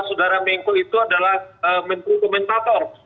saudara mengko itu adalah menteri komentator